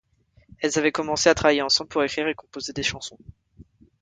Elles avaient commencé à travailler ensemble pour écrire et composer des chansons.